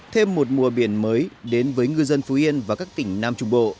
thêm một mùa biển mới đến với ngư dân phú yên và các tỉnh nam trung bộ